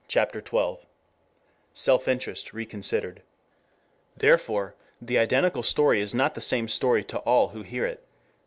CHAPTER XII SELF INTEREST RECONSIDERED 1 THEREFORE, the identical story is not the same story to all who hear it.